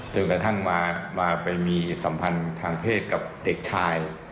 จนกระทั่งมาไปมีสัมพันธ์ทางเพศกับเด็กชาย